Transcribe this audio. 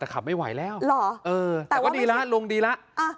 ขับไม่ไหวแล้วหรอเออแต่ว่าดีล่ะลุงดีล่ะอ่ะ